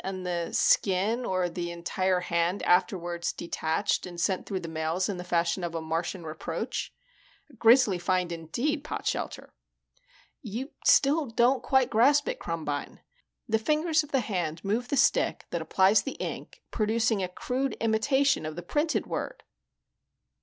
And the skin or the entire hand afterward detached and sent through the mails in the fashion of a Martian reproach? A grisly find indeed, Potshelter." "You still don't quite grasp it, Krumbine. The fingers of the hand move the stick that applies the ink, producing a crude imitation of the printed word."